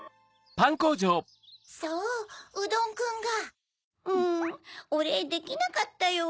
・そううどんくんが・うんおれいできなかったよ。